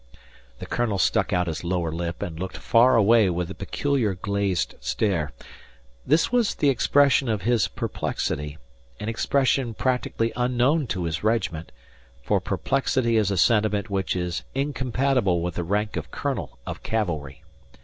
The colonel stuck out his lower lip and looked far away with a peculiar glazed stare. This was the expression of his perplexity, an expression practically unknown to his regiment, for perplexity is a sentiment which is incompatible with the rank of colonel of cavalry.